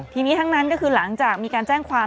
ทีนี้ทั้งนั้นก็คือหลังจากมีการแจ้งความ